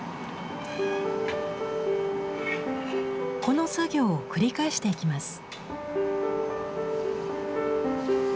この作業を繰り返していきます。